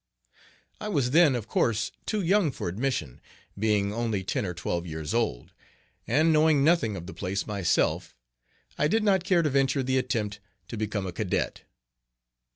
I was then of course too young for admission, being only ten or twelve years old; and knowing nothing of the place myself, I did not care to venture the attempt to become a cadet.